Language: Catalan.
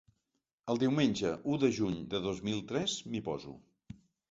El diumenge u de juny de dos mil tres m'hi poso.